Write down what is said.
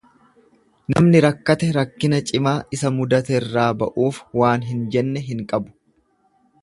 Namni rakkate rakkina cimaa isa mudaterraa ba'uuf waan hin jenne hin qabu.